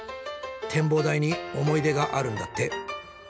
展望台に思い出があるんだって。